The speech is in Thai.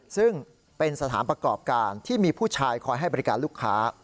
ซึ่งเป็นสถานประกอบการที่มีผู้ชายคอยให้บริการลูกค้า